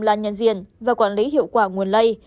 là nhân diện và quản lý hiệu quả nguồn lây